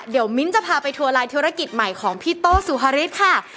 เดี๋ยวมิ้นท์จะพาไปทัวร์ลายธุรกิจใหม่ของพี่โต้สุฮาริสค่ะ